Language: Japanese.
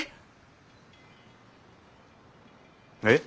えっ。